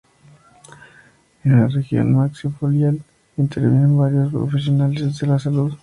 En la región maxilofacial intervienen varios profesionales de la salud.